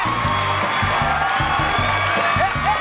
ครูปัชโดยเลสสุด